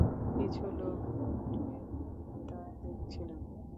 কিছু লোক গোল হয়ে দাঁড়িয়ে তা দেখছিলেন।